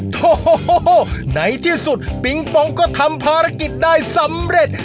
โถในที่สุดปิงปองก็ทำภารกิจได้สำเร็จ